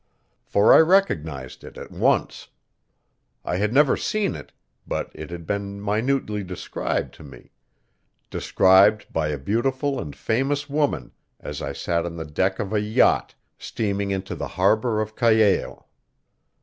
For I recognized it at once. I had never seen it, but it had been minutely described to me described by a beautiful and famous woman as I sat on the deck of a yacht steaming into the harbor of Callao.